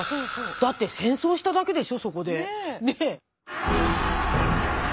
だって戦争しただけでしょそこでねえ。